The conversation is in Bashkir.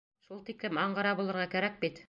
Шул тиклем аңғыра булырға кәрәк бит!